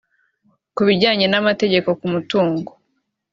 ku bijyanye n’amategeko ku mutungo